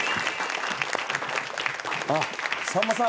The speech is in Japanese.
あっさんまさん